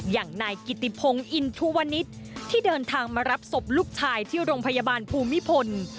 อย่างนายกิติพงศ์อินทุวนิษฐ์ที่เดินทางมารับศพลูกชายที่โรงพยาบาลภูมิพล